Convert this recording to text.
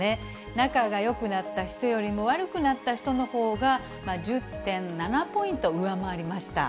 仲がよくなった人よりも悪くなった人のほうが１０．７ポイント上回りました。